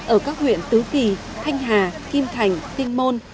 ở các huyện tứ kỳ thanh hà kim thành tinh môn